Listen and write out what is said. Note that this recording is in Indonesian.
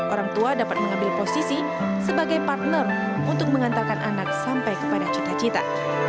orang tua dapat mengambil posisi sebagai partner untuk mengantarkan anak sampai kepada cita cita